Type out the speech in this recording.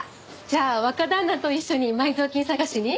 じゃあ若旦那と一緒に埋蔵金探しに？